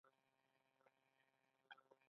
راځئ چې هیواد اباد کړو.